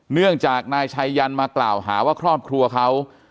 เนื่องจากนายชัยยันมากล่าวหาว่าครอบครัวเขา